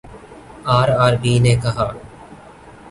RRB نے کہا